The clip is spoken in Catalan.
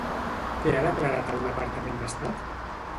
Què ha declarat el Departament d'Estat?